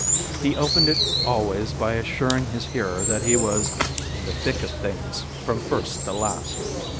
He opened it always by assuring his hearer that he was "in the thick of things from first to last."